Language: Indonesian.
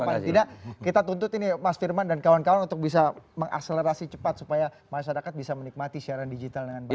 paling tidak kita tuntut ini mas firman dan kawan kawan untuk bisa mengakselerasi cepat supaya masyarakat bisa menikmati siaran digital dengan baik